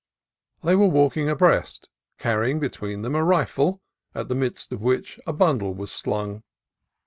They were walking abreast, carry ing between them a rifle, at the middle of which a bundle was slung.